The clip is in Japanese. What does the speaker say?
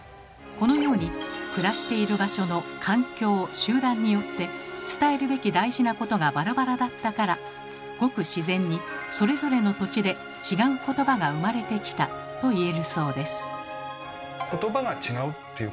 このように暮らしている場所の環境集団によって伝えるべき大事なことがバラバラだったからごく自然にそれぞれの土地で違う言葉が生まれてきたと言えるそうです。